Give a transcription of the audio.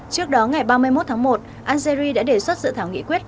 trước đó ngày ba mươi một tháng một algeria đã đề xuất dự thảo nghị quyết